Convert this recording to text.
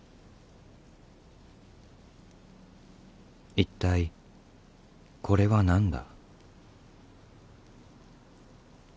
一体これは何だ。